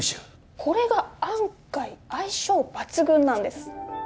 これが案外相性抜群なんです